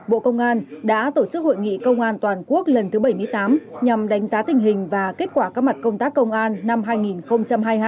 bộ công an đã tổ chức hội nghị công an toàn quốc lần thứ bảy mươi tám nhằm đánh giá tình hình và kết quả các mặt công tác công an năm hai nghìn hai mươi hai